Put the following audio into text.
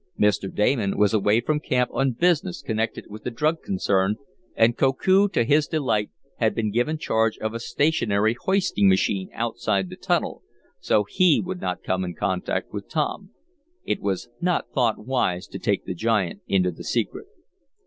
Mr. Damon was away from camp on business connected with the drug concern, and Koku, to his delight, had been given charge of a stationary hoisting engine outside the tunnel, so he would not come in contact with Tom. It was not thought wise to take the giant into the secret.